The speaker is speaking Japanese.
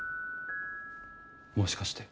もしかして。